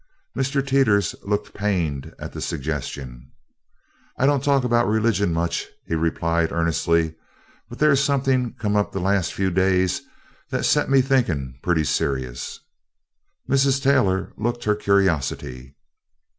Mr. Teeters looked pained at the suggestion. "I don't talk about religion much," he replied earnestly, "but there's somethin' come up the last few days that set me thinkin' pretty serious." Mrs. Taylor looked her curiosity.